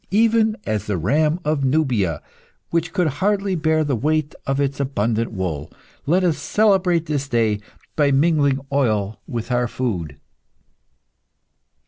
Even as the ram of Nubia, which could hardly bear the weight of its abundant wool. Let us celebrate this day by mingling oil with our food."